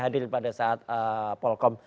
hadir pada saat polkom